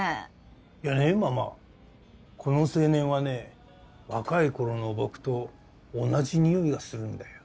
いやねママこの青年はね若い頃の僕と同じにおいがするんだよ。